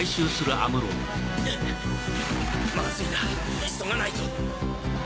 マズいな急がないと。